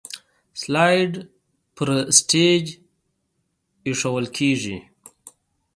سلایډ په سټیج ایښودل کیږي.